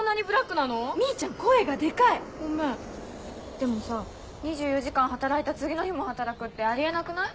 でもさ２４時間働いた次の日も働くってあり得なくない？